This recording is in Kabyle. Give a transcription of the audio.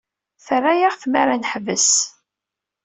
Terra-aɣ tmara ad neḥbes.